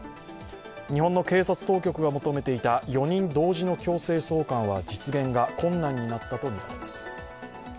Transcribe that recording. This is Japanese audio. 日本の警察当局が求めていた４人同時の強制送還は実現が困難になったとみられます。